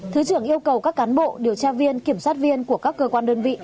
thứ trưởng yêu cầu các cán bộ điều tra viên kiểm soát viên của các cơ quan đơn vị